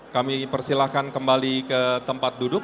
kami persilahkan kembali ke tempat duduk